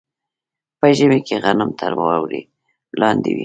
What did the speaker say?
په ژمي کې غنم تر واورې لاندې وي.